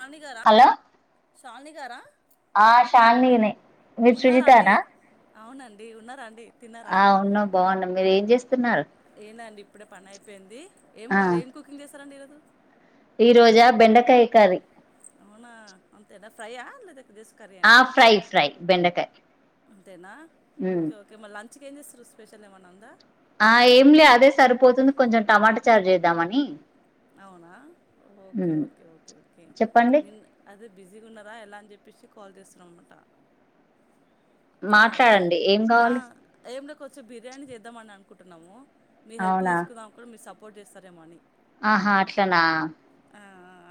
రాణిగార. శాలిని గారా. ఆహ్ శాలినినే మీరు ఉన్నారా అండి సుజితనా అవునండి ఉన్నారా అండి ఆహ్ ఉన్నాం బాగున్నాం. ఏం చేస్తు. ఏదండి ఇప్పుడే పని అయిపోయింది ఏం ఆ వ ఏం కుకింగ్ చేస్. తరండి ఈరోజు. ఈ రోజా బెండకాయ కర్రీ. అవునా అంతేనా. ఫ్రైయా ఏం లేదు. థిస్ కర్రీ తేనె ఆ ఉమ్ ఫ్రై ఫ్రై బెండకాయ అంతేనా ఉమ్. ఓకే ఓకే మల్ల అం. మంచిగా ఏం చేస్తారు. స్పెషల్ ఏమన్నా ఉందా. ఆహ్ ఏం లే అదే సరిపోతుంది. కొంచెం టమాటా చార్ చేద్దామని. అవునా ఓకే ఉమ్. ఓకే ఓకే ఓకే చెప్పండి నిన్న అదే బిజీగా ఉన్నావా. ఎలా అని చెప్పేసి. కాల్ చేస్తున్నం అన్నమాట. ఆహ్ రి మాట్లాడండి ఏం కావాలి ఆహ్ ఏమి లేదు. కొద్ది సేపు బిర్యానీ చేద్దామని అనుకు కుటునము మీ హెల్ప్ అవునా తీసుకుందాం కుడ్ మీర్ సప్ పోర్ట్ చేస్తారేమో అని ఆహా అట్లనా ఆ ఆ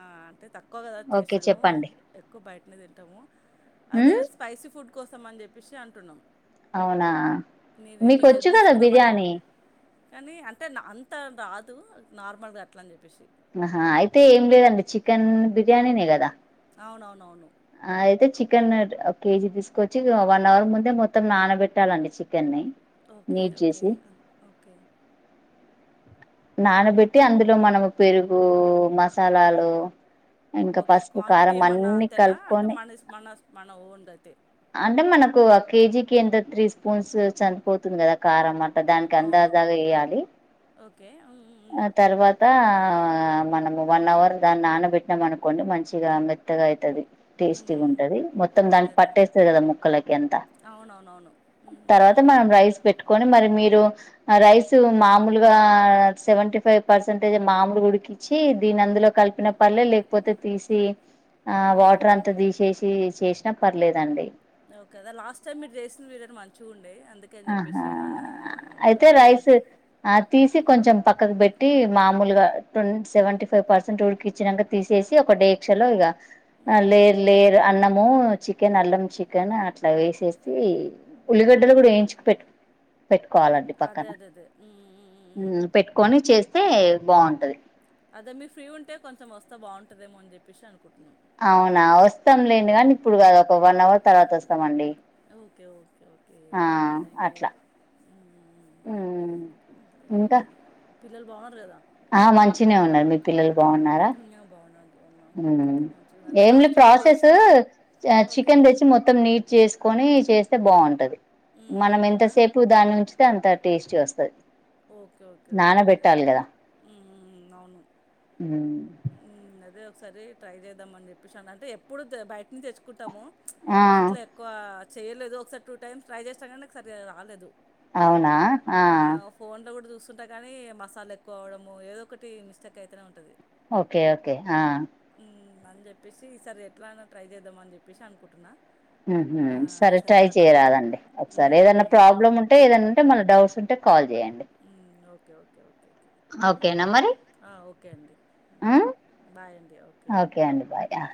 ఆ ఆ అంటే తక్ క్కువ కదా ఓకే చేసుడు చెప్పండి ఎక్కువ బైట్ న్ని తింటము అదే ఉమ్, స్పైసి ఫుడ్ కోసం అన్ చెప్పేశి అంటున్నాం అవునా మీది మీకు మీ హెల్ప్ వచ్చు కదా తీసుకుందామని. బిర్యానీ కానీ అంటే అంత రాదు నార్మల్గా ట్లన్ చెప్పేశి ఆహా అయితే ఏం లేదండి చికెన్ బిర్యానీనే కదా అవునవునవును ఆ అయితే చికెన్ ఒక కేజీ తీసుకొచ్చి వన్ అవర్ ముందే మొత్తం నానబెట్టాలండి చికెన్ని ఓకే ఓకే ఓకే నానబెట్టి అందులో మనము పెరుగు మసాలాలు ఇంకా ఓకే పసుపు క్వాంటిటీ కారం ఏమన్నా అన్ని అంతేనా అంటే కలుపుకొని మనెస్ మనస్ మన ఓన్ దైతే అంటే మనకు ఒక కేజీకి ఎంత త్రీ స్పూన్స్ చనిపోతుంది కదా కారం అ ట దాన్క్ అవును. అందాజాగా ఎయాలి ఓకే అం ఆ తర్వాత ఆ మనం వన్ అవర్ దాన్ని నానబెట్టినాం అనుకోండి మంచిగా మెత్తగా అయితది హ్మ్. టేస్టీగ్ హ్మ్. ఉంటంది మొత్తం దాన్ని అదే అదే. పట్టేస్తుంద్ కదా ముక్కలకి ఎంత అవునవునవును ఉమ్ తర్వాత ఉమ్ మనం రైస్ పెట్టుకొని మరి మీరు రైస్ మామూలుగా సెవెంటీ ఫైవ్ పర్సెంటేజ్ మామిలు ఉడికించ్చి దీని అందులో కలిపిన పర్లే లేకపోతే తీసి ఆ వాటర్ అంతా తీసేసి చేసి న పర్లేదండి ఓకేదా లాస్ట్ టైమ్ మీరు చేసిన్ వీర్ అయితే మంచిగ్ ఉండే అందుకని ఆహా చెప్పేసి మళ్ళా అయితే ఐడియా రైస్ వచ్చి ఆ తీసి కొంచెం పక్ కద బేట్టి మామూలుగా టోన్ సెవెంటీ ఫైవ్ పర్సెంట్ ఊడికి ఇచ్చినాక తీసేసి ఒక డేక్ష లో ఇగ ఆ ఉమ్ లేేర్ లేర్ అన్నం ఓ చికెన్ అల్లం చికెన్ అట్ల వేసేసి ఉల్లిగడ్డలు కూడా పెట్టు పెట్టుకోవాలండి అదే పక్కన అదే అదే ఉమ్ ఉమ్ ఉమ్ ఉమ్ పెట్టుకొని చేస్తే బాగుంటది టదేమో అన్ చెప్పసి అనుకుంటన్నాం అవునా వస్తాం లేం కానీ ఇప్పుడు కాదు ఒక వన్ అవర్ తర్వాత వస్తామండి ఓకేఓకే ఒక్ ఓకే ఆ థ్యాంక్ యూ థ్యాంక్ యూ అట్లా ఉమ్ ఇంకా పిల్లలు బాగున కదా ఆ మంచినే ఉన్న మీ పిల్లలు బాగున్నారా ఆ, బాగున్నాను బాగున్నాను హ్మ్ అంతే మంచిగా అదే ఏం లే లాస్ట్ టైం మీరు ప్రాసెస్ చేసింది ఓకే చికెన్ తెచ్చి మొత్తం నీట్ చేసుకొని చేస్తే బాగుంటది ఉమ్, మనం అంతేనా ఎంతసేపు దాని నుంచితే అంత టేస్టీ వస్ స ఓకే ఓకే ఓకే ఓకే హ్మ్ హ్మ్ అవును హ్మ్ హ్మ్. అదే ట్రై చేద్దామని చెప్పేసి అంటే ఎప్పుడు బయటి నుంచి తెచ్చుకుంటాము. ఆ ఇంట్లో ఎక్కువా చేయలేదు ఒకసారి టూ టైమ్స్ ట్రై చేసిన కానీ నాకు సరిగా రాలేదు. అవునా ఆ అట్ల కూడా చూస్తుంట కానీ మసాలా ఎక్కువ అవ్వడము ఏదో ఒకటి మిస్టేక్ అయితనే ఉంటది. ఒకే ఒకే ఆ హ్మ్. అని చెప్పేసి ఈసారి ఎట్లైన ట్రై చేద్దాం అని చెప్పేసి అనుకుంటున్న. హ్మ్ హు సరే ట్రై చేయరాదండి ఒకసారి ఏదన్న హ్మ్. అదే. ప్రాబ్లమ్ ఉంటే ఏదైనా ఉంటే మళ్ళ డౌట్స్ ఉంటే కా హ్మ్ ఓకే ఓకే ఓకే ఓకే ఓకేనా మరి ఆ ఓకే అండి బాయ్ బాయ్ అండి ఓకే అండి బాయ్ ఆ